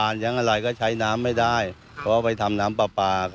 น้ำก็ระบายไม่ได้สะดวก